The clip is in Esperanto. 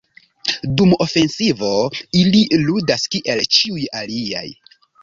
Dum ofensivo ili ludas kiel ĉiuj aliaj.